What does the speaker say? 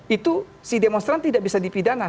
itu si demonstran tidak bisa dipidana